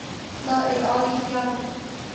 دا ادعا رښتیا ده.